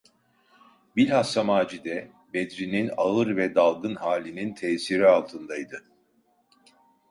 Bilhassa Macide Bedri’nin ağır ve dalgın halinin tesiri altındaydı.